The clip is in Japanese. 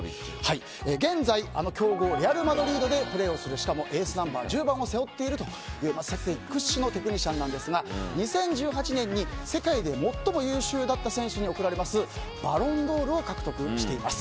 現在、強豪レアル・マドリードでプレーをするエースナンバー１０番を背負っているという世界屈指のテクニシャンなんですが２０１８年に世界で最も優秀だった選手に贈られますバロンドールを獲得しています。